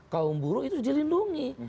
kaum buruk itu dilindungi